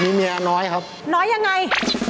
มีเมียน้อยครับน้อยยังไง